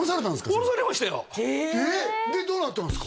降ろされましたよでどうなったんですか？